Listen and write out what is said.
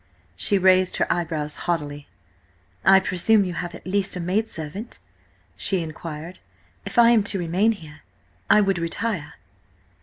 She raised her eyebrows haughtily. "I presume you have at least a maidservant," she inquired. "If I am to remain here, I would retire."